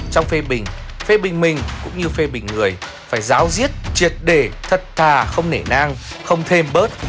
trong phê bình phê bình mình cũng như phê bình người phải giáo diết triệt đề thật thà không nể nang không thêm bớt